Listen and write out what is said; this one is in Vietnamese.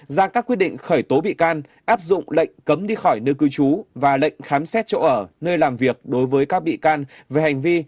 ra các quyết định khởi tố bị can áp dụng lệnh cấm đi khỏi nơi cư trú và lệnh khám xét chỗ ở nơi làm việc đối với các bị can về hành vi